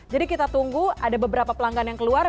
jadi kita tunggu ada beberapa pelanggan yang keluar